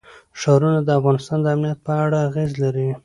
ښارونه د افغانستان د امنیت په اړه اغېز لري.